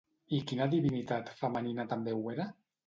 I quina divinitat femenina també ho era?